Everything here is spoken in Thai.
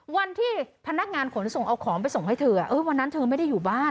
วันที่พนักงานขนส่งเอาของไปส่งให้เธอวันนั้นเธอไม่ได้อยู่บ้าน